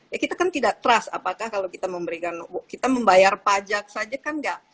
ya kita kan tidak trust apakah kalau kita memberikan kita membayar pajak saja kan nggak